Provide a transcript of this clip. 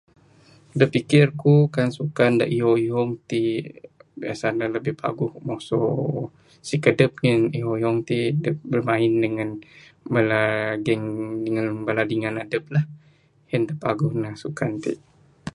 Dak pikir ku kan sukan dah ihong-ihong ti biasa ne lebih bagus mesu sikedup ngin ihong-ihong ti dep bermain dengan bala geng dingan bala adep la hen ne dak paguh sukan ti.